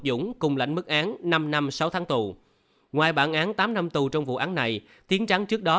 dũng cùng lãnh mức án năm năm sáu tháng tù ngoài bản án tám năm tù trong vụ án này tiến trắng trước đó